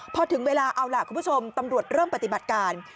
พอถึงเวลาเอาล่ะคุณผู้ชมตำรวจเริ่มปฏิบัติการ